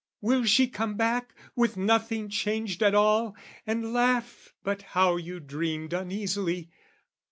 "Will she come back, with nothing changed at all, "And laugh 'But how you dreamed uneasily!